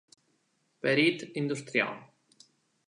Perit Industrial.